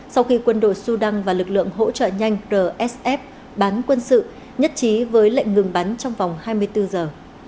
sau khi quân đội sudan và lực lượng hỗ trợ nhanh rsf bán quân sự nhất trí với lệnh ngừng bắn trong vòng hai mươi bốn giờ